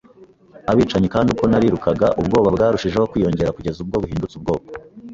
abicanyi; kandi uko narirukaga, ubwoba bwarushijeho kwiyongera kugeza ubwo buhindutse ubwoko